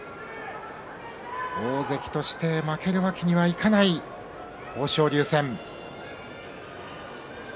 大関として負けるわけにはいかない豊昇龍戦です。